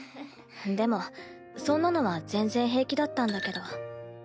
でもそんなのは全然平気だったんだけど。